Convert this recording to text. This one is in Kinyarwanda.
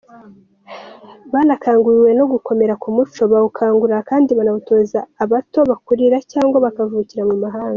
Banakanguriwe no gukomera ku muco bawukangurira kandi banawutoza abato bakurira cyangwa bakavukira mu mahanga.